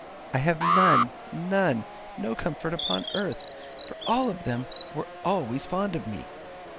I have none, none, no comfort upon earth, for all of them were always fond of me!